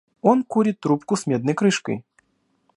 Он курит трубку с медной крышкой.